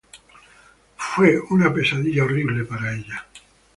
Fue una pesadilla horrible para ella.